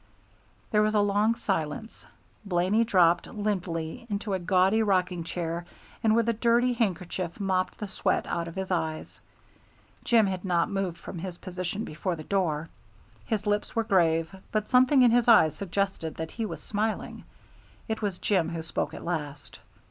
There was a long silence. Blaney dropped limply into a gaudy rocking chair and with a dirty handkerchief mopped the sweat out of his eyes. Jim had not moved from his position before the door. His lips were grave, but something in his eyes suggested that he was smiling. It was Jim who spoke at last.